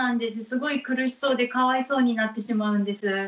すごい苦しそうでかわいそうになってしまうんです。